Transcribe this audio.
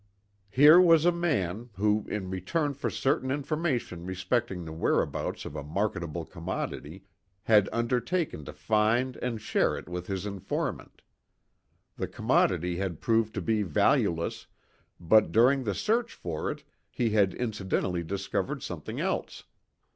Here was a man, who, in return for certain information respecting the whereabouts of a marketable commodity, had undertaken to find and share it with his informant. The commodity had proved to be valueless, but during the search for it he had incidentally discovered something else.